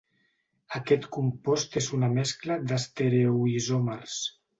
Aquest compost és una mescla d'estereoisòmers.